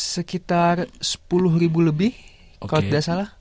sekitar sepuluh ribu lebih kalau tidak salah